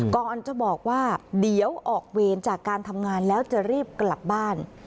ก่อนจะบอกว่าเดี๋ยวออกเวรจากการทำงานแล้วจะรีบกลับบ้าน